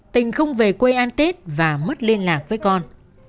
tình không về quê an tết và mất liên lạc với con